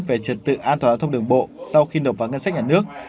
về trật tự an toàn giao thông đường bộ sau khi nộp vào ngân sách nhà nước